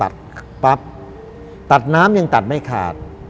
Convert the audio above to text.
สีตัดยังตัดไม่ขาด